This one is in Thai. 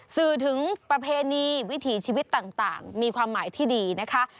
สื่อถึงประเพณีวิถีชีวิตต่างมีความหมายที่ดีนะคะ